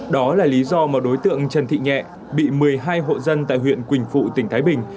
đó là lý do mà đối tượng trần thị nhẹ bị một mươi hai hộ dân tại huyện quỳnh phụ tỉnh thái bình